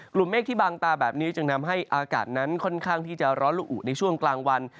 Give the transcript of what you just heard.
เมฆที่บางตาแบบนี้จึงทำให้อากาศนั้นค่อนข้างที่จะร้อนละอุในช่วงกลางวัน